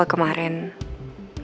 udah ke kamar dulu